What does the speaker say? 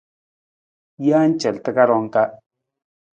Jee car takarang ka.